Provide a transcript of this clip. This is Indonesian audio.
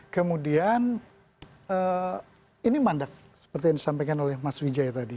kemudian ini mandat seperti yang disampaikan oleh mas wijaya tadi